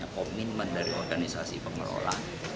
komitmen dari organisasi pengelola